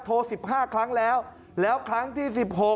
๑๕ครั้งแล้วแล้วครั้งที่๑๖